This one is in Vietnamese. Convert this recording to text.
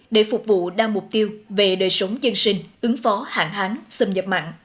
để phục vụ đa mục tiêu về đời sống dân sinh ứng phó hạn hán xâm nhập mặn